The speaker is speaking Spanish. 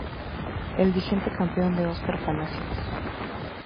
El vigente campeón es Oscar Palacio.